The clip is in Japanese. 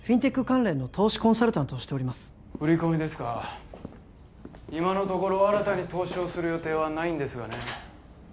関連の投資コンサルタントをしております売り込みですか今のところ新たに投資をする予定はないんですがね